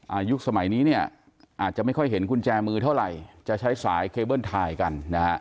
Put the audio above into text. อายุสมัยนี้เนี่ยอาจจะไม่ค่อยเห็นกุญแจมือเท่าไหร่จะใช้สายเคเบิ้ลทายกันนะฮะ